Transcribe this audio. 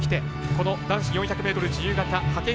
この男子４００ｍ自由形派遣